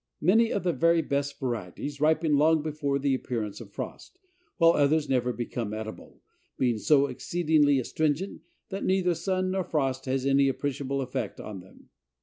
Many of the very best varieties ripen long before the appearance of frost, while others never become edible, being so exceedingly astringent that neither sun nor frost has any appreciable effect on them."